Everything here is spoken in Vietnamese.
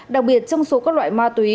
đặc biệt trong số các loại ma túy